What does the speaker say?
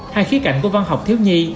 hai khía cạnh của văn học thiếu nhi